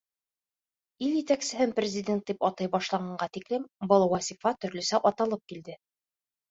— Ил етәксеһен президент тип атай башлағанға тиклем был вазифа төрлөсә аталып килде.